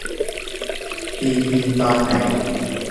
ตีพิมพ์ตอนไหน